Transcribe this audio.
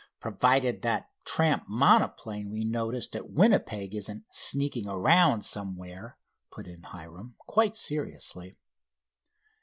"Provided that tramp monoplane we noticed at Winnipeg isn't sneaking around somewhere," put in Hiram, quite seriously.